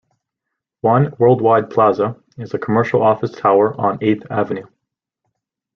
One Worldwide Plaza is a commercial office tower on Eighth Avenue.